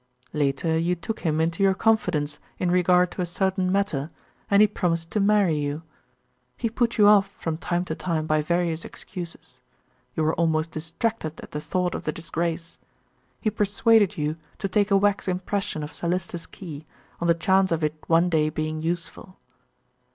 Later you took him into your confidence in regard to a certain matter and he promised to marry you. He put you off from time to time by various excuses. You were almost distracted at the thought of the disgrace. He persuaded you to take a wax impression of Sir Lyster's key, on the chance of it one day being useful."